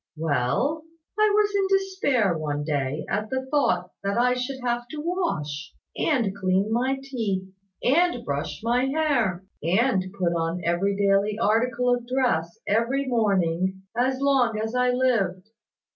Well, I was in despair, one day, at the thought that I should have to wash, and clean my teeth, and brush my hair, and put on every daily article of dress every morning, as long as I lived.